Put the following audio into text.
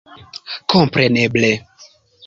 kompreneble